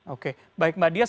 oke baik mbak dias